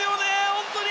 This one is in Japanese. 本当に。